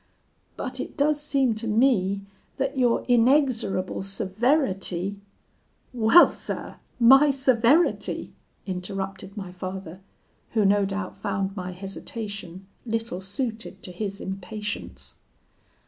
But it does seem to me, that your inexorable severity ' "'Well, sir, my severity!' interrupted my father, who no doubt found my hesitation little suited to his impatience.